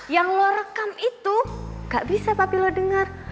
yang lo rekam itu gak bisa papi lo dengar